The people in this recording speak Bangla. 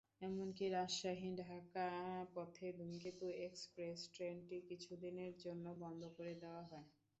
এমনকি রাজশাহী-ঢাকাপথের ধূমকেতু এক্সপ্রেস ট্রেনটি কিছুদিনের জন্য বন্ধ করে দেওয়া হয়।